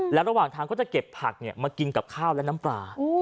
แล้วระหว่างทางก็จะเก็บผักมากินกับข้าวและน้ำปลา